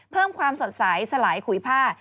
เพิ่มความสดใสสลายขุยผ้า